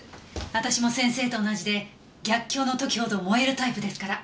私も先生と同じで逆境の時ほど燃えるタイプですから。